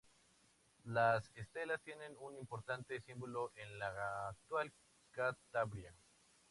Las estelas tienen un importante simbolismo en la actual Cantabria.